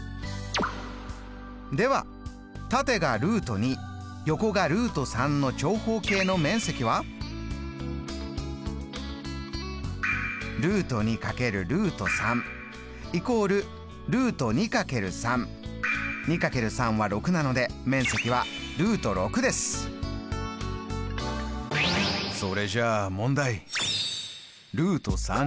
では縦が横がの長方形の面積は２×３は６なので面積はそれじゃあ問題。